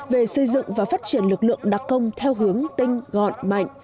về xây dựng và phát triển lực lượng đặc công theo hướng tinh gọn mạnh